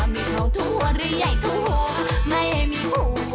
มีทองทุ่มหัวและไม่มีผัว